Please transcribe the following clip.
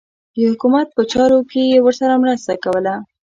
د حکومت په چارو کې یې ورسره مرسته کوله.